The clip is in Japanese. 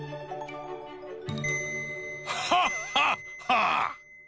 ハッハッハッ！